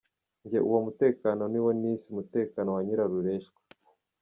Jye uwo mutekano niwo nise Umutekano wa nyirarureshwa.